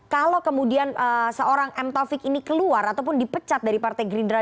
kalau kemudian seorang m taufik ini keluar ataupun dipecat dari partai gerindra